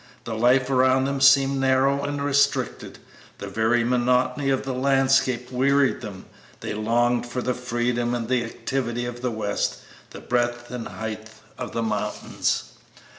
The life around them seemed narrow and restricted; the very monotony of the landscape wearied them; they longed for the freedom and activity of the West, the breadth and height of the mountains.